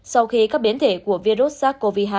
sau khi các biến thể của virus sars cov hai